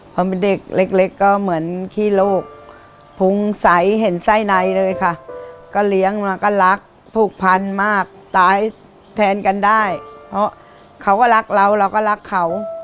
พอเป็นเด็กเล็กก็เหมือนขี้โลกพุงใสเห็นไส้ในเลยค่ะก็เลี้ยงมาก็รักผูกพันมากตายแทนกันได้เพราะเขาก็รักเราเราก็รักเขา